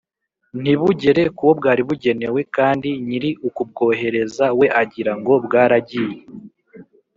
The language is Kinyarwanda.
ntibugere ku wo bwari bugenewe kandi nyiri ukubwohereza we agira ngo bwaragiye